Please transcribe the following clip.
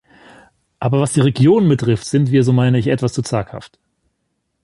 Aber was die Regionen betrifft, sind wir, so meine ich, etwas zu zaghaft.